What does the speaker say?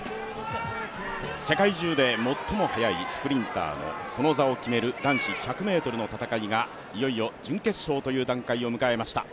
世界中で最も速いスプリンターのその座を決める男子１００ｍの戦いがいよいよ準決勝という段階を迎えました。